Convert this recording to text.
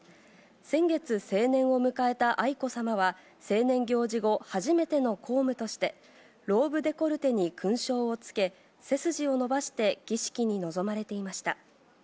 先月、成年を迎えた愛子さまは、成年行事後、初めての公務として、ローブデコルテに勲章をつけ、背筋を伸ばして儀式に臨まれていました。